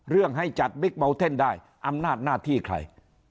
ให้จัดบิ๊กเมาเทนได้อำนาจหน้าที่ใคร